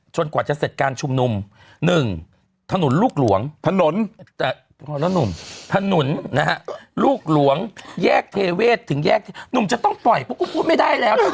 จนกว่าจะเสร็จการชุมนุมหนึ่งถนนลูกหลวงถนนถนนนะฮะลูกหลวงแยกเทเวศถึงแยกหนุ่มจะต้องปล่อยไม่ได้แล้ว